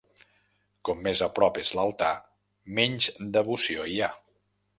Com més a prop és l'altar, menys devoció hi ha.